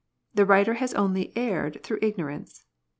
The writer has only erred through ignorance.